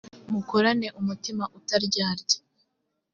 mukorane umutima utaryarya